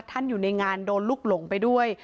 อยู่ในงานโดนลูกหลงไปด้วย